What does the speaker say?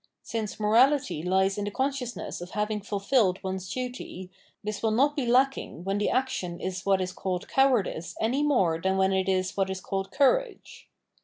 Since morality lies in the consciousness of having fulfilled one's duty, this will not be lacking when the action is what is called cowardice any more than when it is what is called courage.